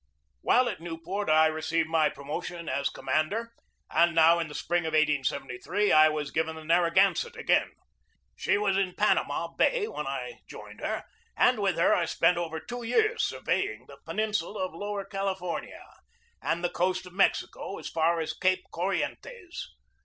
While at Newport I had received my promotion as commander, and now, in the spring of 1873, I was given the Narragansett again. She was in Panama Bay, where I joined her, and with her I spent over two years surveying the peninsula of Lower Cali fornia and the coast of Mexico as far as Cape Corri entes.